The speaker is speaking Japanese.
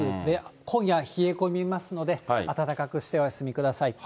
今夜、冷え込みますので、暖かくしてお休みください。